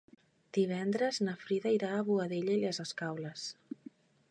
Divendres na Frida irà a Boadella i les Escaules.